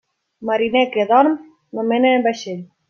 Mariner que dorm no mena vaixell.